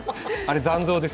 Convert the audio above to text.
残像です。